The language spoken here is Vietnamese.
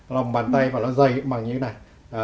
lòng bàn tay và nó dây cũng bằng như thế này